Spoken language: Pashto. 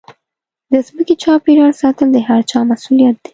د ځمکې چاپېریال ساتل د هرچا مسوولیت دی.